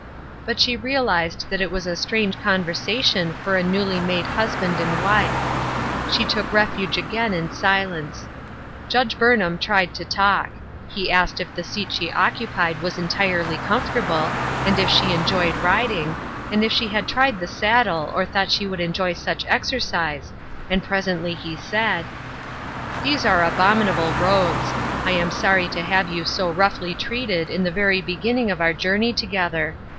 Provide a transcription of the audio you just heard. But she realized that it was a strange conversation for a newly made husband and wife. She took refuge again in silence. Judge Burnham tried to talk. He asked if the seat she occupied was entirely com fortable, and if she enjoyed riding, and if she had tried the saddle, or thought she would enjoy such exercise, and presently he said :" These are abominable roads. I am sorry to tiave you so roughly treated in the very begin ning of our journey together.